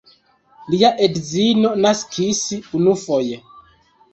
Lia edzino naskis unufoje.